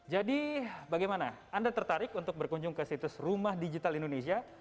jadi bagaimana anda tertarik untuk berkunjung ke situs rumah digital indonesia